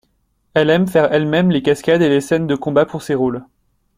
Elle aime faire elle-même les cascades et les scènes de combat pour ses rôles.